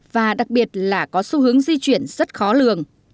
và đặc biệt là có xu hướng di chuyển rất khó lường